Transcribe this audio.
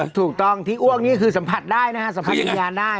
ถูกต้องที่อ้วกนี่คือสัมผัสได้นะฮะสัมผัสวิญญาณได้